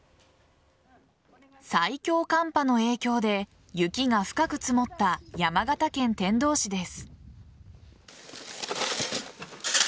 最強寒波の影響で雪が深く積もった山形県天童市です。